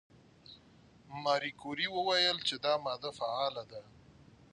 ماري کوري وویل چې دا ماده فعاله ده.